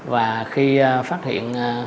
và khi phát hiện